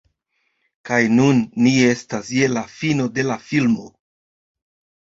Kaj nun ni estas je la fino de la filmo